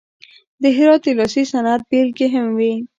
د هرات د لاسي صنعت بیلګې هم وې.